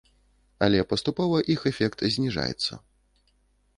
Але паступова іх эфект зніжаецца.